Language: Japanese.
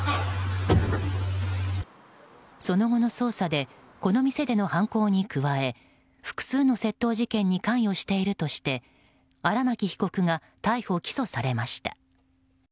その後の捜査でこの店での犯行に加え複数の窃盗事件に関与しているとして荒巻被告が逮捕・起訴されました。